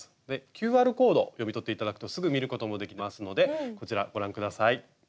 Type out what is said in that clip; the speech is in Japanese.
ＱＲコード読み取って頂くとすぐ見ることもできますのでこちらご覧下さい。